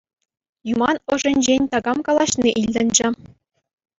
Юман ӑшӗнчен такам калаҫни илтӗнчӗ.